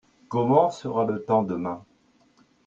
Comment sera le temps demain ?